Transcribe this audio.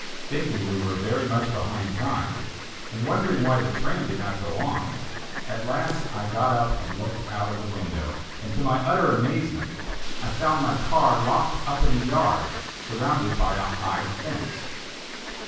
Thinking we were very much behind time, and wondering why the train did not go on, at last I got up and looked out of the window, and, to my utter amazement, I found my car locked up in a yard, surrounded by a high fence.